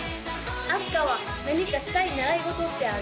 あすかは何かしたい習い事ってある？